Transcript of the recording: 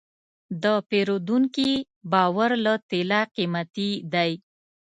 د پیرودونکي باور له طلا قیمتي دی.